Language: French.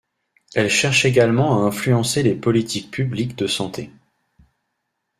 Elle cherche également à influencer les politiques publiques de santé.